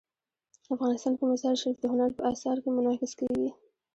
افغانستان کې مزارشریف د هنر په اثار کې منعکس کېږي.